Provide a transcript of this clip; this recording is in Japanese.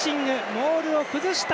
モールを崩した。